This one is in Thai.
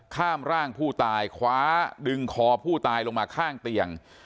ข้ามร่างผู้ตายคว้าดึงคอผู้ตายลงมาข้างเตียง